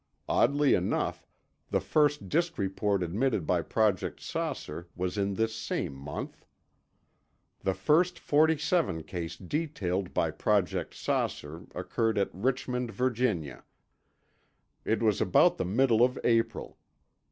Oddly enough, the first disk report admitted by Project "Saucer" was in this same month. The first '47 case detailed by Project "Saucer" occurred at Richmond, Virginia. It was about the middle of April.